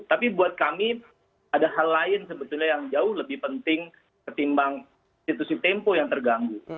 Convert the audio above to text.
tapi buat kami ada hal lain sebetulnya yang jauh lebih penting ketimbang situs tempo yang terganggu